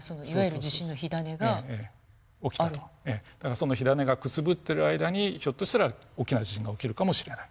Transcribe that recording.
その火種がくすぶってる間にひょっとしたら大きな地震が起きるかもしれない。